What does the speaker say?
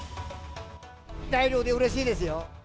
大漁でうれしいですよ。